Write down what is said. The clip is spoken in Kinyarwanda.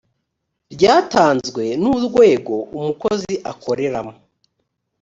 ryatanzwe n urwego umukozi akoreramo